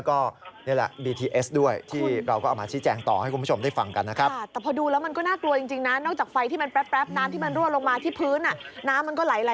กลัวจริงนอกจากไฟที่มันแป๊บน้ำที่มันรั่วลงมาที่พื้นน้ำมันก็ไหล